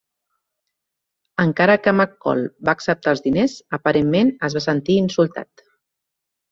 Encara que McCall va acceptar els diners, aparentment es va sentir insultat.